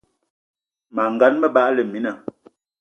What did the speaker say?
Mas gan, me bagla mina